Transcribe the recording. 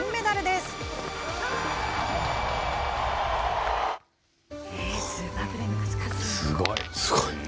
すごい。